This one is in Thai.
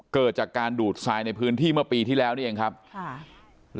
เกิดจากการดูดทรายในพื้นที่เมื่อปีที่แล้วนี่เองครับค่ะ